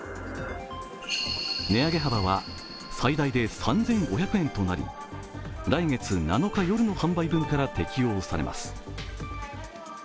値上げ幅は最大で３５００円となり来月７日夜の販売分から適用されます。